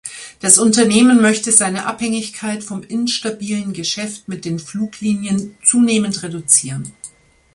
Das Unternehmen möchte seine Abhängigkeit vom instabilen Geschäft mit den Fluglinien zunehmend reduzieren.